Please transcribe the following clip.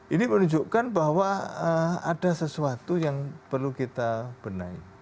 ini menunjukkan bahwa ada sesuatu yang perlu kita benahi